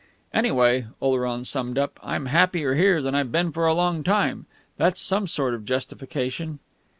"Anyway," Oleron summed up, "I'm happier here than I've been for a long time. That's some sort of a justification."